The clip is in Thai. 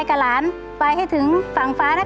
ดูเขาเล็ดดมชมเล่นด้วยใจเปิดเลิศ